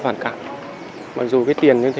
em không thể làm như thế